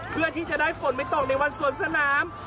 เพื่อที่จะได้ฝนไม่ตกในวันสวนสนาม